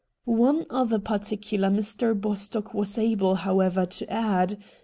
One other par ticular Mr. Bostock was able, however, to add.